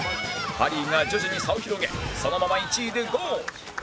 ハリーが徐々に差を広げそのまま１位でゴール